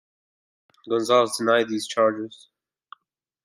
Gonzales denied these charges.